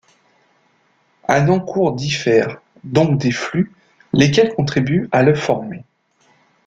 Un encours diffère donc des flux, lesquels contribuent à le former.